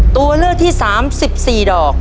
ตัวเลือดที่สาม๑๔ดอก